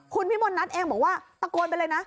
คุณพิมลนัทเองบอกว่าตะโกนไปเลยนะ